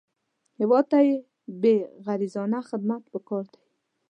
هېواد ته بېغرضانه خدمت پکار دی